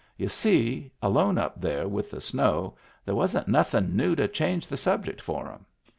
Y'u see, alone up there with the snow there wasn't nothin' new to change the subject for 'em.